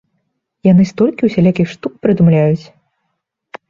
Яны столькі усялякіх штук прыдумляюць.